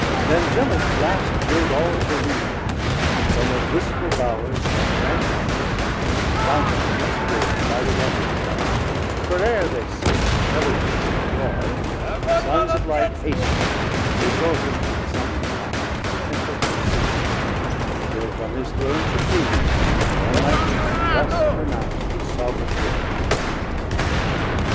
Th' Angelic blast Filld all the Regions: from thir blissful Bowrs Of Amarantin Shade, Fountain or Spring, By the waters of Life, where ere they sate In fellowships of joy: the Sons of Light 80 Hasted, resorting to the Summons high, And took thir Seats; till from his Throne supream Th' Almighty thus pronounced his sovran Will.